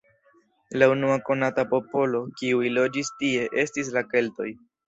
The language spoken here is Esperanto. La unua konata popolo, kiuj loĝis tie, estis la keltoj.